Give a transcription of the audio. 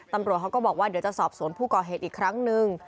ตำรวจเขาก็บอกว่าเดี๋ยวจะสอบสวนผู้ก่อเหตุอีกครั้งนึง